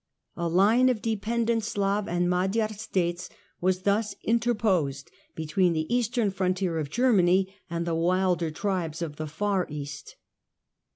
A line of dependent Slav and Magyar states was thus interposed between the eastern frontier of Germany and the wilder tribes of the far East.